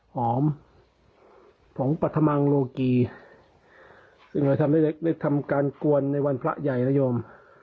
หอมผงปฐมังโลกีซึ่งเราทำได้ได้ทำการกวนในวันพระใหญ่นโยม